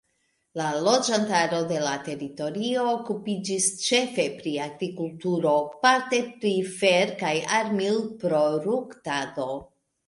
La loĝantaro de la teritorio okupiĝis ĉefe pri agrikulturo; parte pri fer- kaj armil-proruktado.